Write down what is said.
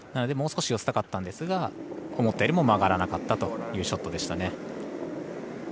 もう少し寄せたかったんですが思ったよりも曲がらなかったというショットでしたね。